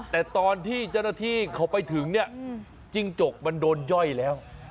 แต่ตอนที่เจ้าหน้าที่เขาไปถึงเนี่ยจิ้งจกมันโดนย่อยแล้ว